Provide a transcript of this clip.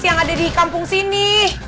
yang ada dikampung sini